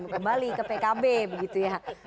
kembali ke pkb begitu ya